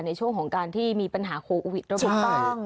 ในช่วงของการที่มีปัญหาโควิดแล้วก็เป็นต้อง